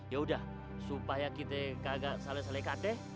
ya udah supaya kita kagak salah salah kata